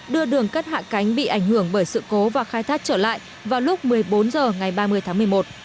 đưa đường cất hạ cánh bị ảnh hưởng bởi sự cố và khai thác trở lại vào lúc một mươi bốn h ngày ba mươi tháng một mươi một